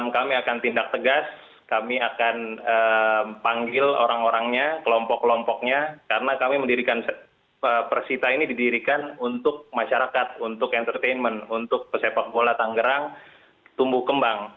kami akan tindak tegas kami akan panggil orang orangnya kelompok kelompoknya karena kami mendirikan persita ini didirikan untuk masyarakat untuk entertainment untuk pesepak bola tanggerang tumbuh kembang